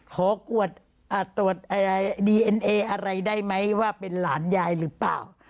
ขอตรวจดีเอ็นเออะไรได้ไหมว่าเป็นหลานยายหรือเปล่า